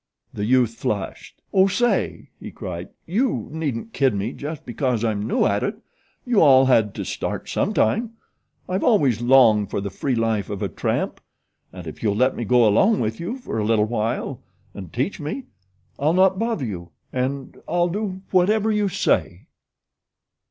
The youth flushed. "Oh say!" he cried; "you needn't kid me just because I'm new at it. You all had to start sometime. I've always longed for the free life of a tramp; and if you'll let me go along with you for a little while, and teach me, I'll not bother you; and I'll do whatever you say."